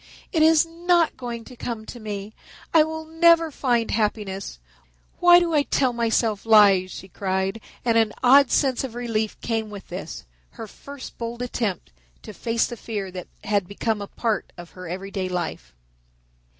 "It is not going to come to me. I will never find happiness. Why do I tell myself lies?" she cried, and an odd sense of relief came with this, her first bold attempt to face the fear that had become a part of her everyday life.